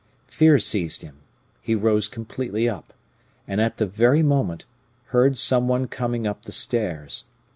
Fear seized him; he rose completely up, and, at the very moment, heard some one coming up the stairs.